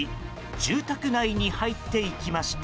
住宅内に入っていきました。